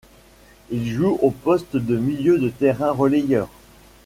Il joue au poste de milieu de terrain relayeur.